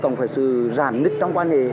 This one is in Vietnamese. giảm nứt trong quan hệ